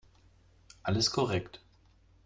Alles korrekt.